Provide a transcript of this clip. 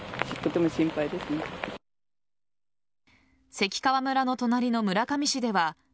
関川村の隣の村上市では。